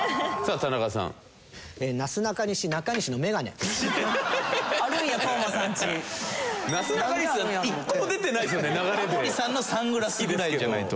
タモリさんのサングラスぐらいじゃないと。